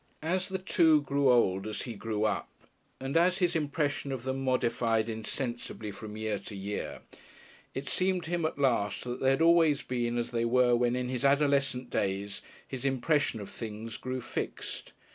As the two grew old while he grew up, and as his impression of them modified insensibly from year to year, it seemed to him at last that they had always been as they were when, in his adolescent days, his impression of things grew fixed.